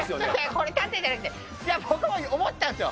これ、盾じゃなくて、いや、僕も思ったんですよ。